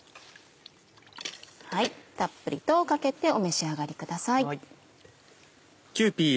たっぷりとかけてお召し上がりください。